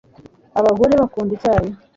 Abagore bakunda icyayi